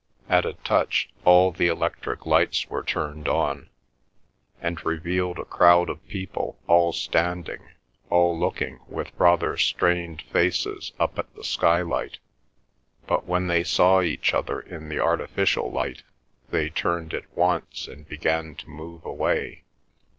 At a touch, all the electric lights were turned on, and revealed a crowd of people all standing, all looking with rather strained faces up at the skylight, but when they saw each other in the artificial light they turned at once and began to move away.